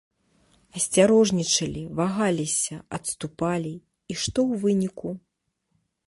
Асцярожнічалі, вагаліся, адступалі, і што ў выніку?